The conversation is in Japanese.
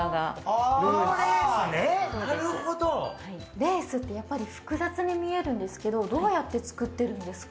レースって複雑に見えるんですけどどうやって作っているんですか？